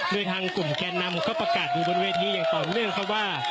โดยทางกลุ่มแกนนำก็ประกาศอยู่บนเวทีอย่างต่อเนื่องครับว่า